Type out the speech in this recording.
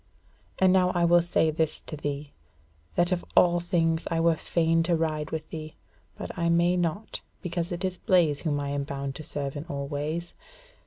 And now I will say this to thee, that of all things I were fain to ride with thee, but I may not, because it is Blaise whom I am bound to serve in all ways.